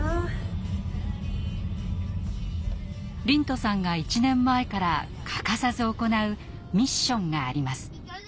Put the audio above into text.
龍翔さんが１年前から欠かさず行うミッションがあります。